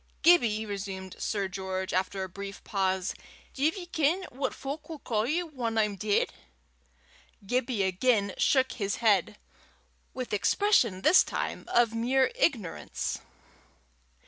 "Gibbie," resumed Sir George, after a brief pause, "div ye ken what fowk'll ca' ye whan I'm deid?" Gibbie again shook his head with expression this time of mere ignorance.